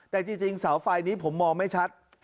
แต่จริงเสาไฟนี้ผมมองไม่ชัด